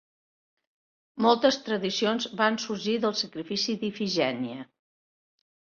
Moltes tradicions van sorgir del sacrifici d'Ifigenia.